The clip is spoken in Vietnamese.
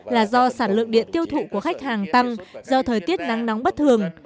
là do sản lượng điện tiêu thụ của khách hàng tăng do thời tiết nắng nóng bất thường